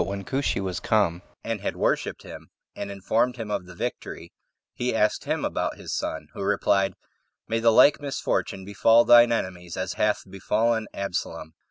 But when Cushi was come, and had worshipped him, and informed him of the victory, he asked him about his son, who replied, "May the like misfortune befall thine enemies as hath befallen Absalom."